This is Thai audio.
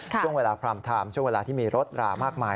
ช่วงเวลาพรามไทม์ช่วงเวลาที่มีรถรามากมาย